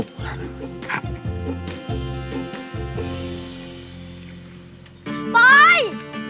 ครับ